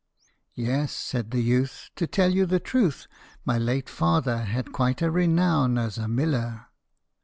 " Yes," said the youth, " To tell you the truth, My late father had quite a renown as a miller."